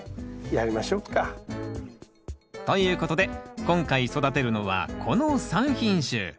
やりましょうか。ということで今回育てるのはこの３品種。